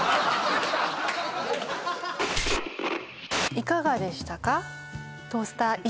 いかがでしたか？